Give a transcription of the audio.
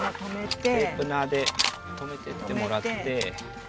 テープナーで留めてってもらって。